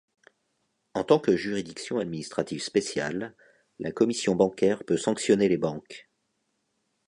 En tant que juridiction administrative spéciale, la Commission Bancaire peut sanctionner les banques.